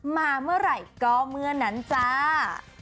มาเมื่อไหร่ก็เมื่อนั้นจ้า